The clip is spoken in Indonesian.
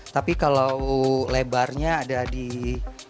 tapi kalau lebarnya kurus yang lebih besar dari di sanatoon ini ya